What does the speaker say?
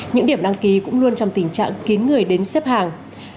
những điểm đăng ký cũng luôn trong tình trạng kín người đến xếp hàng